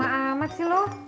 bang lama amat sih lu